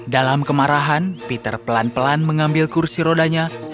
dalam kemarahan peter pelan pelan mengambil kursi rodanya